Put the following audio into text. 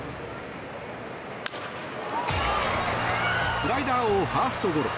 スライダーをファーストゴロ。